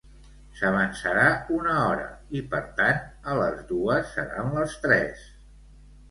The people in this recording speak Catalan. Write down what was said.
S'avançarà una hora, i per tant, a les dues seran les tres.